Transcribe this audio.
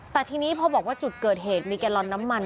แต่ทีนี้พอบอกว่าจุดเกิดเหตุมีแกลลอนน้ำมัน